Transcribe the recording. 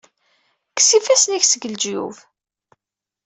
Kkes ifassen-ik seg leǧyub.